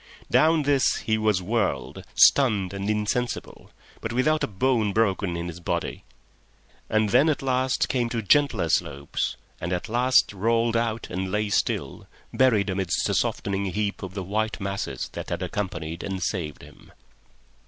Down this he was whirled, stunned and insensible, but without a bone broken in his body; and then at last came to gentler slopes, and at last rolled out and lay still, buried amidst a softening heap of the white masses that had accompanied and saved him.